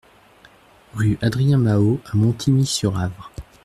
Rue Adrien Mahaut à Montigny-sur-Avre